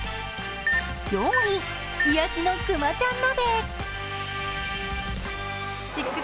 ４位、癒しのくまちゃん鍋。